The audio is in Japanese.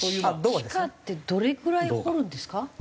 地下ってどれくらい掘るんですか？